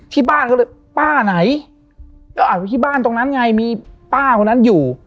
ที่บ้านก็เลยป้าไหนก็อัดไว้ที่บ้านตรงนั้นไงมีป้าคนนั้นอยู่